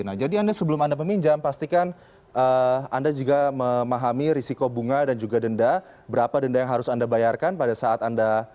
nah jadi anda sebelum anda meminjam pastikan anda juga memahami risiko bunga dan juga denda berapa denda yang harus anda bayarkan pada saat anda